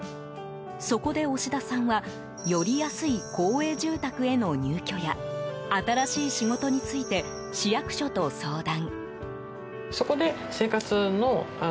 そこで押田さんはより安い公営住宅への入居や新しい仕事について市役所と相談。